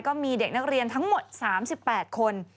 ก็มีเด็กนักเรียนทั้งหมด๓๘คน